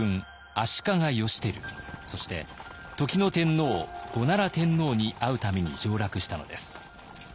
足利義輝そして時の天皇後奈良天皇に会うために上洛したのです。